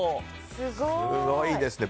すごいですね。